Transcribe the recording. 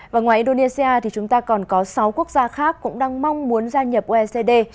và ngoài indonesia thì chúng ta còn có sáu quốc gia khác cũng đang mong muốn gia nhập oecd